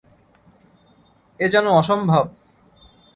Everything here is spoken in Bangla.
এ যেন অসম্ভব।